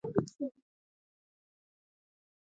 په نولسمه پېړۍ کې استبدادي رژیمونو مخه ډپ کړه.